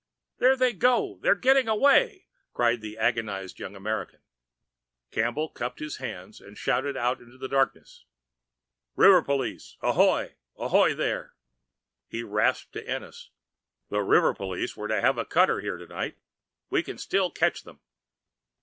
"There they go they're getting away!" cried the agonized young American. Inspector Campbell cupped his hands and shouted out into the darkness, "River police, ahoy! Ahoy there!" He rasped to Ennis. "The river police were to have a cutter here tonight. We can still catch them."